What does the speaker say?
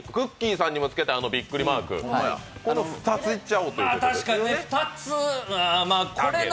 さんにもつけたビックリマークこの２ついっちゃおうということで。